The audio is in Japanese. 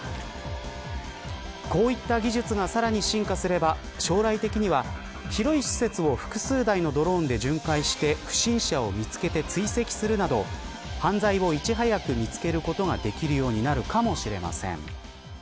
こういった技術がさらに進化すれば将来的には広い施設を複数台のドローンで巡回して不審者を見つけて追跡するなど犯罪をいち早く見つけることができるようになるかもしれません。